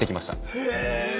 へえ。